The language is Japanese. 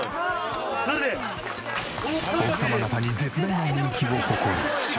奥様方に絶大な人気を誇る照英。